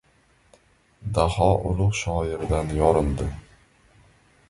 Daho ulug‘ shoirdan yorildi: